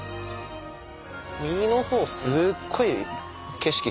右の方すっごい景色